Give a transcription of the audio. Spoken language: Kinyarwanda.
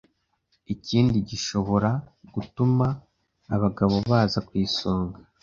ikindi gishobora gutuma abagabo baza ku isonga